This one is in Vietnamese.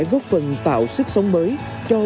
góp phần tạo sức sống mới cho